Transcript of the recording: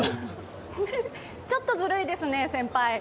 ちょっとずるいですね、先輩。